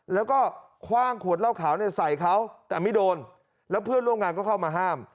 แล้วก็คว่างขวดเหล้าขาวเนี่ยใส่เขาแต่ไม่โดนแล้วเพื่อนร่วมงานก็เข้ามาห้าม